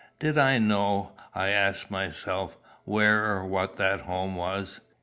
Did I know, I asked myself, where or what that home was?